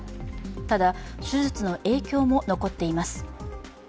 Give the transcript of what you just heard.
ただ、手術の影響も残っています。